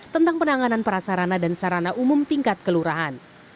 tentang penanganan prasarana dan sarana umum tingkat kelurahan